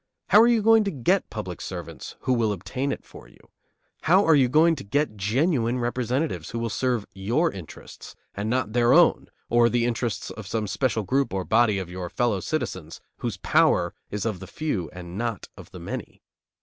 How are you going to get public servants who will obtain it for you? How are you going to get genuine representatives who will serve your interests, and not their own or the interests of some special group or body of your fellow citizens whose power is of the few and not of the many?